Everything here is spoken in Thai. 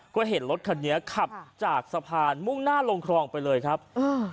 ก็เห็นรถคันนี้ขับจากสะพานมุ่งหน้าลงคลองไปเลยครับอ่า